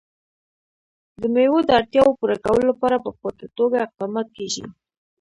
د مېوو د اړتیاوو پوره کولو لپاره په پوره توګه اقدامات کېږي.